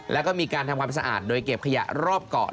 แล้วก็มีการทำความสะอาดโดยเก็บขยะรอบเกาะ